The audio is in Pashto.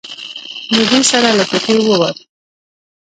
له دې سره له کوټې ووت.